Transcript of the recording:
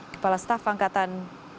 kepala staff angkatan